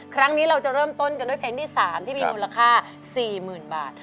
ครั้งนี้เราจะเริ่มต้นกันด้วยเพลงที่๓ที่มีมูลค่า๔๐๐๐บาท